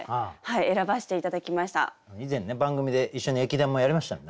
以前ね番組で一緒に駅伝もやりましたもんね。